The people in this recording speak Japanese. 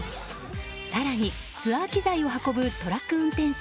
更に、ツアー機材を運ぶトラック運転手